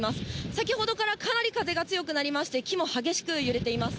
先ほどからかなり風が強くなりまして、木も激しく揺れています。